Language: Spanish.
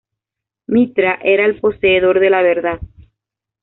Mitra era el poseedor de la verdad.